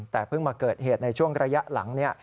แต่เพิ่งมาเกิดเหตุในช่วงระยะหลัง